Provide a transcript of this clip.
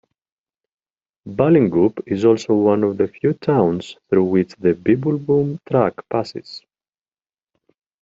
Balingup is also one of the few towns through which the Bibbulmun Track passes.